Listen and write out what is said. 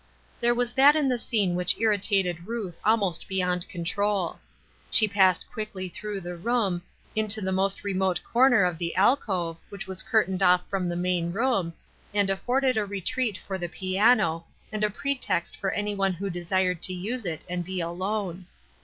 There was that in the scene which irritated Ruth almost beyond control. She passed quickly through the room, into the most remote corner of the alcove, which was curtained off from the main room, and afforded a retreat for the piano, and a pretext for any one who desired to use it and be alone.